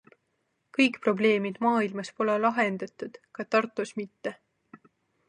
Kõik probleemid maailmas pole lahendatud, ka Tartus mitte.